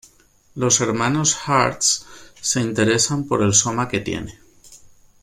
Los hermanos Hearts se interesan por el Soma que tiene.